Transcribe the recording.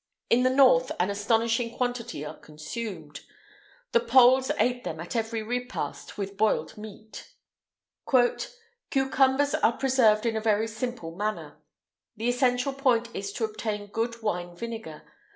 In the north an astonishing quantity are consumed. The Poles ate them at every repast with boiled meat. "Cucumbers are preserved in a very simple manner. The essential point is to obtain good wine vinegar.